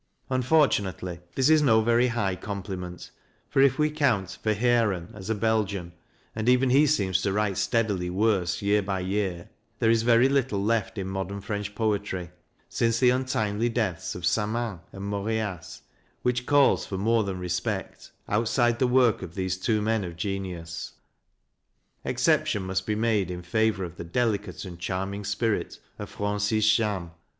Unfortunately, this is no very high com pliment, for if we count Verhaeren as a Belgian and even he seems to write steadily worse year by year there is very little left in modern French poetry, since the untimely deaths of Samain and Moras, which calls for more than respect, outside the work of these two men of genius. Exception must be made in favour of the delicate and charming spirit of Francis Jammes.